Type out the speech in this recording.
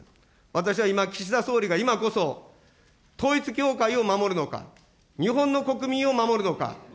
私は今、岸田総理が今こそ統一教会を守るのか、日本の国民を守るのか。